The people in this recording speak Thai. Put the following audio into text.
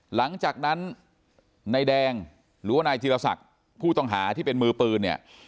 หลังจากนั้นนายแดงหรือว่านายธีรศักดิ์ผู้ต้องหาที่เป็นมือปืนเนี่ย